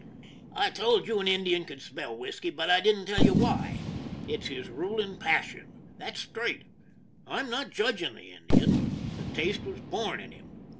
I told you an Indian could smell whisky, but I didn't tell you why. It's his ruling passion. That's straight. I'm not judging the Indian ; the taste was born in him.